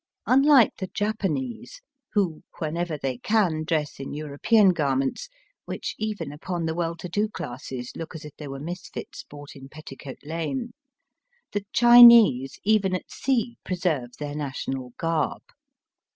Unlike the Japanese, who whenever they can dress in European gar ments, which even upon the well to do classes look as if they were misfits bought in Petti VOL. I. 12 Digitized by VjOOQIC 178 EAST BY WEST. coat Lane, the Chinese, even at sea, preserve their national garb.